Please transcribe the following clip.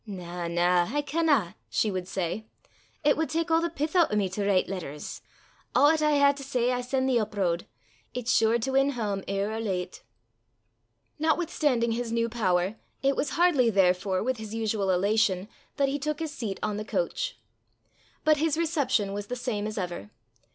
"Na, na; I canna," she would say. "It wad tak a' the pith oot o' me to vreet letters. A' 'at I hae to say I sen' the up road; it's sure to win hame ear' or late." Notwithstanding his new power, it was hardly, therefore, with his usual elation, that he took his seat on the coach. But his reception was the same as ever.